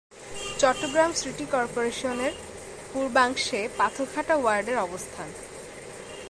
Chittagong city কর্পোরেশনের পূর্বাংশে পাথরঘাটা ওয়ার্ডের অবস্থান।